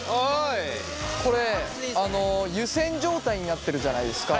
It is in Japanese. これ湯せん状態になってるじゃないですか。